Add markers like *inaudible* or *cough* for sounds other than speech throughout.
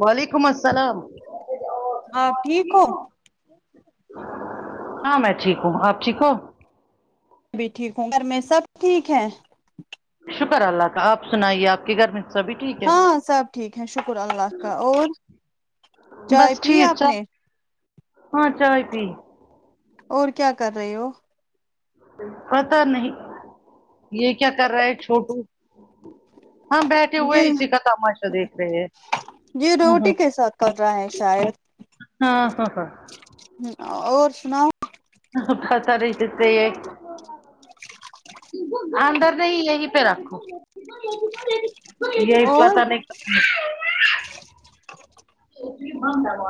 وعلیکم السلام ہاں ٹھیک ہو ہاں میں ٹھیک ہوں آپ ٹھیک ہو میں بھی ٹھیک ہوں گھر میں سب ٹھیک ہے شکر اللہ کا آپ سنائیے آپ کے گھر میں سبھی ٹھیک ہے ہاں سب ٹھیک ہے شکر اللہ کا اور چائے بس پی ٹھیک آپ چل نے ہاں چائے پی اور کیا کر رہے ہو پتا نہیں یہ کیا کر رہا ہے چھوٹو ہاں بیٹھے ہوئے جی اسی کا تماشا دیکھ رہے ہیں جی ہاں روٹی کےساتھ کر رہا ہے شاید ہاں ہاں ہاں ہ اور سناؤ ہ پتا رہے جس سے یہھ اندر نہیں یہی پہ رکھو یہی اور پتا نہیں ہوں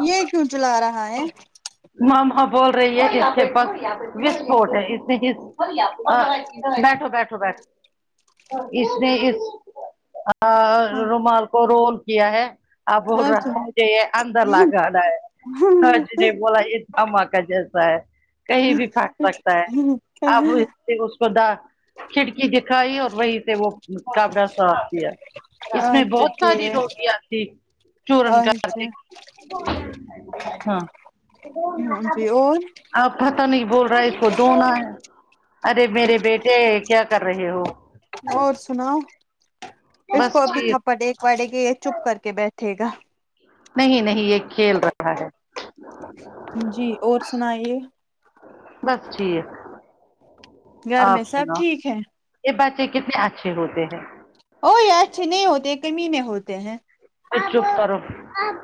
یہ کیوں چلا رہا ہے ماں بول رہی ہے اس کے پسفوٹ ہے اسی چیز بیٹھو بیٹھو اس نے اس ہاں رومال کو رول کیا ہے آپ بول اچھا رہا مجے یہ اندر لا گا رہا ہے ہاں جے نے بولا یہ دھماکہ جیسا ہے کہیں بھی پھٹ سکتا ہے اب اس پر داغ کھڑکی دکھائی اور وہی سے وہ کابرا صاب دیا اس میں اچھا بہت ٹھیک ساری ہے روٹیاں تھی چورن کر اچھا کے ہاں ہاں جی اور آپ پتہ نہیں بول رہا ہے اس کو دھونا ہے ارے میرے بیٹے کیا کر رہے ہو اور سناؤ اس کو بس ابھی ٹھیک تھپڑے پڑے گی یہ چپ کر کے بیٹھے گا نہیں نہیں یہ کھیل رہا ہے جی اور سنایے بس ٹھیک گھر آپ میں سب سناو ٹھیک ہے یہ بچے کتنے اچھے ہوتے ہیں اوے اچھے نہیں ہوتے کمینے میں ہوتے ہیں چپ کرو آپ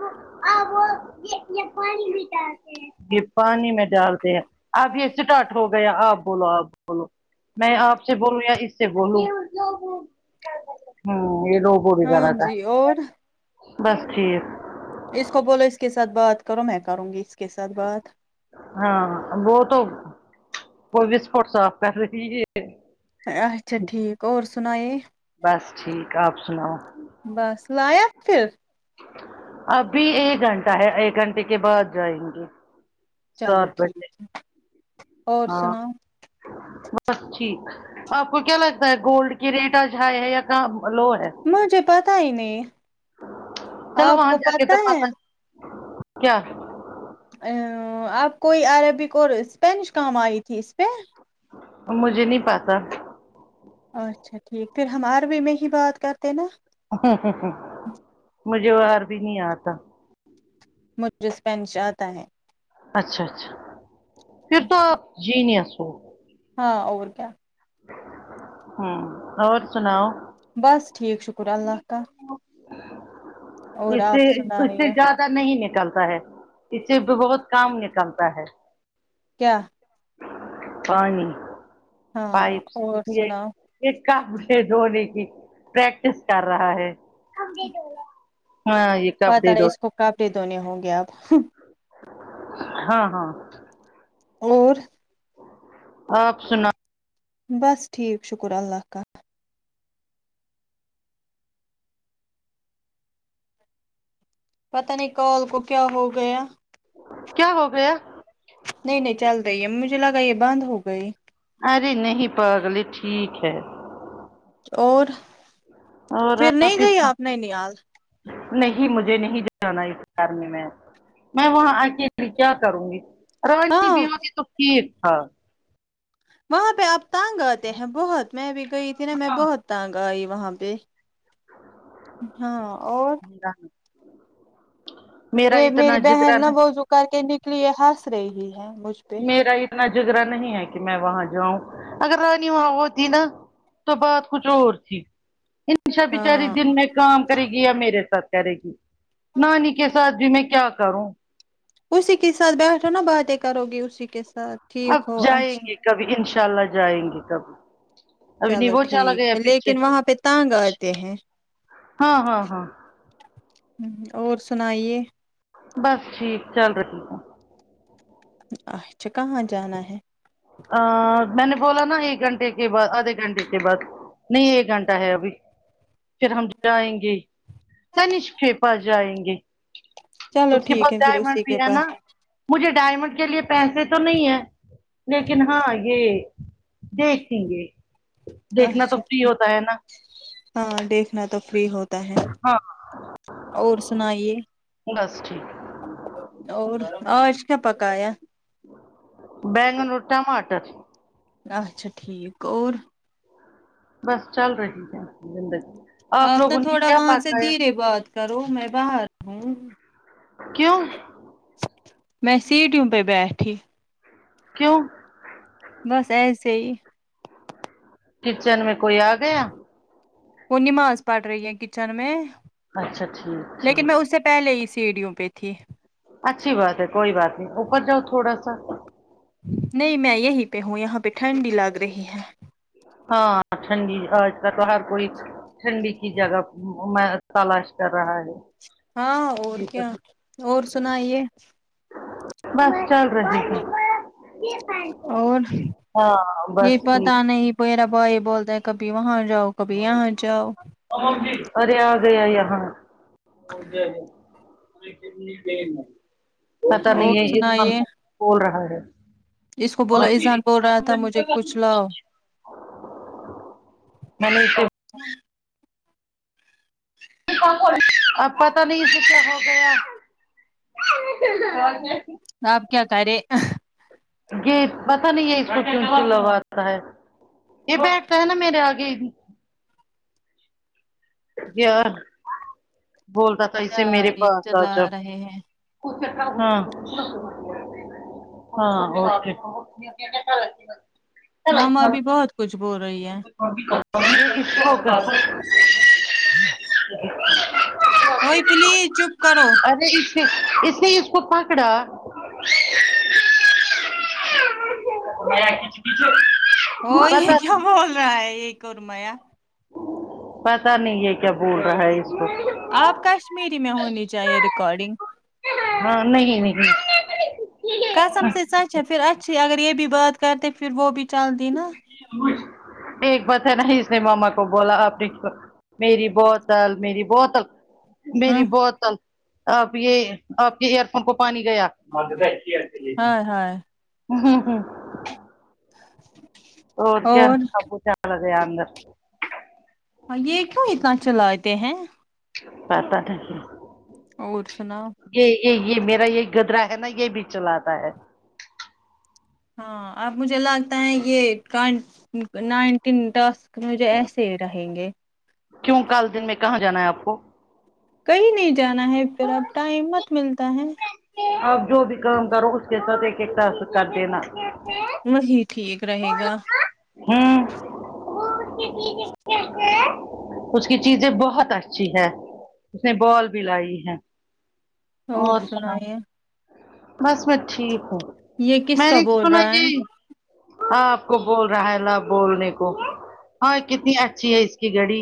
آپ آپ یہ پانی بٹے تھے پانی میں ڈالتے ہیں اب یہ اسٹارٹ ہو گیا آپ بولو آپ بولو میں آپ سے بولوں یا اس سے بولوں ہوں یہ لوگو بھی ہاں غلط ہے جی اور بس ٹھیک اس کو بولو اس کے ساتھ بات کرو میں کروں گی اس کے ساتھ بات ہاں وہ تو وہس فٹ صاف کر رہی ہے اچھا ٹھیک اور سنائی بس ٹھیک آپ سناؤ بس لاحق پھر ابھی ایک گھنٹہ ہے ایک گھنٹے کے بعد جائیں گے سو چلو روپے ٹھیک سے اور ہاں سناؤ بس ٹھیک آپ کو کیا لگتا ہے گولڈ کی ریٹ آج ہائی ہے یا کہاں لو ہے مجھے پتا ہی نہیں چلو آپ وہاں کو جا کے پتا ہے کیا آپ کوئی عربک اور اسپینش کام آئی تھی اس پہ مجھے نہیں پاتا اچھا ٹھیک پھر ہم عربی میں ہی بات کرتے ہیں نا ہ ہ ہ مجھے عربی نہیں آتا مجھے اسپینش آتا ہے اچھا اچھا پھر تو آپ جینئس ہو ہاں اور کیا اور سناؤ بس ٹھیک شکر اللہ کا اور اس سے آپ اس سے سنائیے زیادہ نہیں نکلتا ہے اس سے بہت کام نکلتا ہے کیا پانی ہاں پائپس اور سناؤ ایک کافھ دھنے کی پریکٹس کر رہا ہے ہاں یہ پتہ کپڑے نہیں دھونا اس کو ہے کپڑے دھونے ہوں گے اب ہاں ہاں اور آپ سناو بس ٹھیک شکر اللہ کا پتا نہیں کال کو کیا ہو گیا کیا ہو گیا نہیں نہیں چل رہی ہے مجھے لگا یہ بند ہو گئی ارے نہیں پگلی ٹھیک ہے اور اور نہیں پھر گئی آپ نینیال نہیں مجھے نہیں جانا *unintelligible* میں وہاں آ کے کیا کروں گی رنی ہاں بھی ہوتی تو ٹھیک تھا وہاں پہ آپ تانگ آتے ہیں بہت میں بھی گئی تھی نا میں بہت تانگ ائی وہاں پہ ہاں اور میرا یہ اتنا میری بہن جگرا نہ نہیں وضو کر کے نکلی ہنس رہی ہے مجھپے میرا اتنا جگرا نہیں ہے کہ میں وہاں جاؤں اگر رانی وہاں وہ تھی نا تو بات کچھ اور تھی انشا بچاری ہاں دن میں کام کرے گی یا میرے ساتھ کرے گی نانی کے ساتھ بھی میں کیا کروں اسی کے ساتھ بیٹھو نا باتیں کرو گی اسی کے ساتھ اب ٹھیک ہو جائیں اچھا گے کبھی انشاء اللہ جائیں گے کبھی ابھی نہیں چلو وہ چلا ٹھیک گیا ہے پیچھے لیکن وہاں پہ تانگ اتے ہیں ہاں ہاں ہاں ہمم اور سنائیے بس ٹھیک چل رہے رہی ہوں اچھا کہاں جانا ہے ا میں نے بولا نا ایک گھنٹے کے بعد آدھے گھنٹے کے بعد نہیں ایک گھنٹہ ہے ابھی پھر ہم جائیں گے تنش کے پا جائیں گے چلو اس کے ٹھیک پاس ہے پھر ڈائمنڈ اسی بھی کے ہے نا پاس مجھے ڈائمنڈ کے لیے پیسے تو نہیں ہے لیکن ہاں یہ دیکھیں گے دیکھنا تو اچھا فری ٹھیک ہوتا ہے نا ہاں دیکھنا تو فری ہوتا ہے ہاں اور سنائیے بس ٹھیک اور آج کیا پکایا بیگان اور ٹماٹر اچھا ٹھیک اور بس چل رہی ہے زندگی آپ نے لوگوں تھوڑا کیا وہاں سے پکایا دھیرے بات کرو میں باہر ہوں کیوں میں سیٹیوں پہ بیٹھی کیوں بس ایسے ہی کچن میں کوئی آ گیا وہ نماز پڑ رہی ہے کچن میں اچھا ٹھیک ٹھیک پہے ہی سیڈیو پے تھی اچھی بات ہے کوئی بات نہیں اوپر جاؤ تھوڑا سا نہیں میں یہیں پہ ہوں یہاں پہ ٹھنڈی لگ رہی ہے ہاں ٹھنڈی ہے باہر تھوڑی ٹھنڈی کی جگہ تلاش کر رہا ہے ہاں اور جی بس کیا اور سنائیے بس چل رہا ہے اور ہاں بس یہ ٹھیک پتا نہیں میرا بھائی بولتا ہے کبھی وہاں جاؤ کبھی یہاں جاؤ ارے آ گیا یہاں پتا اور نہیں ہےیہ کون سنائیے بول رہا ہے اس کو بولو اذہان بول رہا تھا مجھے کچھ لاؤ *inaudible* *unintelligible* ہ *unintelligible* ا پتہ نہیں ہے او کو کیا ہو گیا آپ کیا کرے یہ پتہ نہیں ہے اس کو س لگاتا ہے یہ بیٹھتا ہے نا میرے آگے یار بولتا تھا اسے میرے پاس آ چلا جؤ رہے ہیں *unintelligible* ہاں ہاں اوکے ماما ا بھی بہت کچھ بول رہی ہے *unintelligible* ہوگ وہئی پلی چپ کرو اس اس نے اس کو پکڑا وہ یہ کیوں پتا بول رہا ہے ایک اور میا پتا نہیں ہے کیا بول رہا ہے اس کو آپ کشمیری میں ہونی چاہیے ریکارڈنگ نہیں نہیں قسم سے سچ پھر اچھی اگر یہ بھی بات کر تو پھر وہ بھی چلدی نا ایک بات ہے نا اس نے ماما کو بولا آپ نے میری بہت میری بہت ہ میری بہت آپ یہ آپ کے ایئر فون کو پانی گیا ہوں ہائے ہائے ہوں اوڑ کے اور اپکو چل رہیا اندر یہ کیوں اتنا چلاتے ہیں پاتا تھاکے اور سنا یہ یہ یہ میرا یہ گدرا ہے نا یہ بھی چلاتا ہے ہاں اب مجھے لگتا ہے یہ کن نائنٹینسک مجھے ایسے ہی رہیں گے کیوں کال دن میں کہاں جانا ہے آپ کو کہیں نہیں جانا ہے پھر اب ٹائم مت ملتا ہے اپ جو بھی کام کرو اس کے ساتھ ایک ایک طرح کر دینا وہی ٹھیک رہے گا ہوں اس کی چیزیں بہت اچھی ہے اس نے بال بھی لائی ہے اور سناو بس میں ٹھیک ہوں یہ کس میں کا نے بول سنا رہا ہے یہ ہاں آپ کو بول رہا ہے لا بولنے کو ہاں کتنی اچھی ہے اس کی گڑی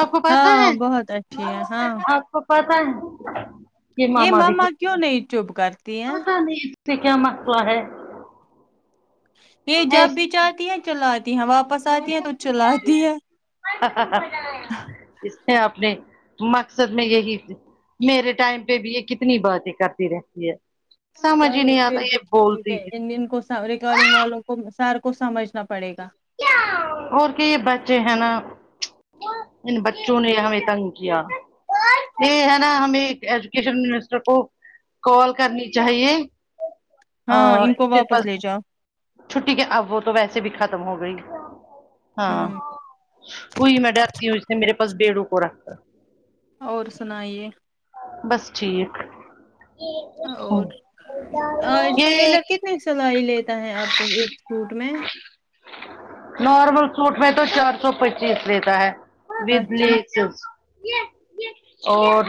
آپ کو پتا ہے ہاں بہت اچھی ہے ہاں آپ کو پتا ہے یہ ماما بھی ک مما کیوں نہیں چپ کرتی ہیں پتا نہیں اس سے کیا مسئلہ ہے یہ جب بھی چاہتی ہے چلاتی ہیں واپس آتی ہیں تو چلاتی ہے ہ ہ ہ اس نے اپنے مقصد میں یہی میرے ٹائم پہ بھی یہ کتنی باتیں کرتی رہتی ہے سمجھ ہی چلو نہیں آتا پھر بھی یہ ٹھیک بولتی ہے ان کو ریکارڈنگ والوں کو سر کو سمجھنا پڑے گا اور کہ بچے ہے نا ان بچوں نے ہمیں تنگ کیا یہ ہے نا ہمیں ایک ایجوکیشن منسٹر کو کال کرنی چاہیے ہاں ان اس کو کے واپس پاس لے جاؤ چھٹی کے اب تو ویسے بھی ختم ہو گئی ہاں ہوں کوئی میں ڈرتی ہوں اس نے میرے پس بیڑو کو رکھتا اور سنائیے بس ٹھیک اور ٹیلر کتنی سلائی لیتا ہے آپ کو ایک سوٹ میں نارمل سوٹ میں تو چار سو پچ چیز لیتا ہے بجلی اچھا اور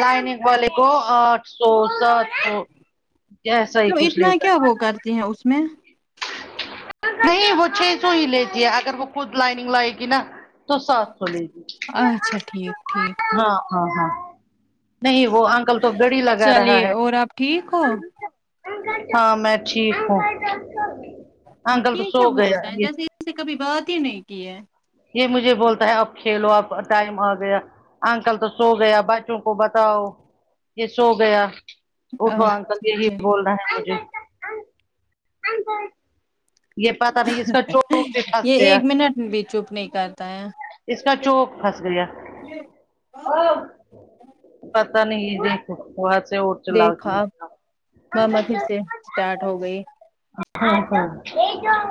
لائنیک بولے کو آٹھ سو سات سو ایسا ہی تووں کچھ اتنا لیتا ہے کیا وہ کرتی ہیں اس میں نہیں وہ چھ سو ہی لیتی ہے اگر وہ خود لائننگ لگائے گی نا تو سات سو لے گی اچھا ٹھیک ٹھیک ہاں ہاں ہاں نہیں وہ انکل تو گڑی لگا رہا چلیے ہے اور آپ ٹھیک ہو ہاں میں ٹھیک ہوں انکل تو یہ سو کیا بول گیا رہے ہیں یہ جیسے اس سے کبھی بات ہی نہیں کی ہے یہ مجھے بولتا ہے اب کھیلو آب ٹائم آ گیا انکل تو سو گیا بچوں کو بتاؤ یہ سو گیا اٹھو اچھا انکل جی یہ بول رہا ہے مجھے یہ پتاہ نہیں اس کا چور کے پھنس یہ گیا ایک بھی چپ نہیں کر اس کا چوک پھنس گیا پتا نہیں جس دیکھا ماما پھر سے اسٹارٹ ہو گئی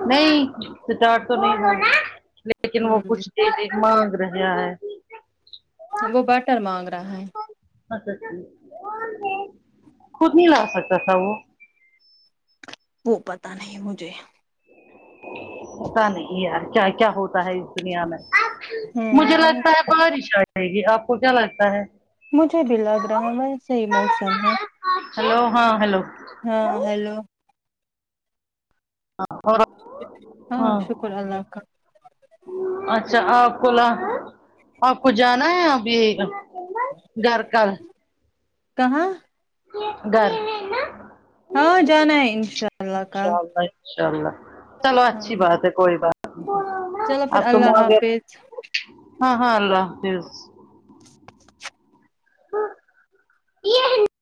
نہیں سٹارٹ تو نہیں ہوی لیکن وہ ہوں کچھ دیر ایک مانگ رہیا ہے وہ بٹر مانگ رہا ہے اچھا اچھ کود نہیں لا سکتا تھا وہ وہ پتا نہیں مجھے پتا نہیں یار کیا کیا ہوتا ہے دنیا میں مجھے ہوں لگتا ہے بارش آ جائے گی آپ کو کیا لگتا ہے مجھے بھی لگ رہا ہے ویس ہی موسم ہے ہیلو ہاں ہیلو ہاں ہیلو ہاں اور ہاں شکر اللہ کا اچھا آپ کولا آپ کو جانا ہے ابھی گھر کا کہاں گھر نہیں ہاں جانا ہے اللہ انشاء کل اللہ انشاء اللہ چلو ہاں اچھی بات ہے کوئی بات چلو پھر اب تم اللہ حافظ ہاں ہاں اللہ حافظ یہ جی